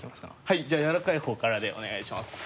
はいじゃあ柔らかい方からでお願いします。